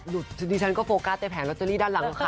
อยู่ซี่สายแล้วก็โฟการ์สแต่แผงรอเตอรี่ด้านหลังนะครับ